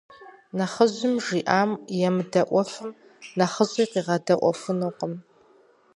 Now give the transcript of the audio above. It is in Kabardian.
Нэхъыжьым жиӀэм емыдэӀуэфым, нэхъыщӀи къигъэдэӀуэфынукъым.